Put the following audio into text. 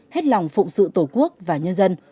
hết lòng phụng sự tổ quốc và nhân dân